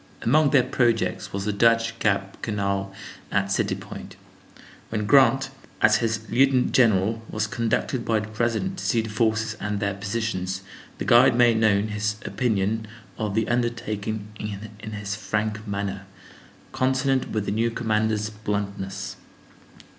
Among their projects was the Dutch Gap Canal at City Point. When Grant, as his lieutenant general, was conducted by the President to see the forces and their positions, the guide made known his opinion of the undertaking in his frank manner, consonant with the new commander's bluntness.